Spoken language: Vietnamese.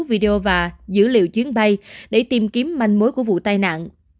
video và dữ liệu chuyến bay để tìm kiếm manh mối của vụ tai nạn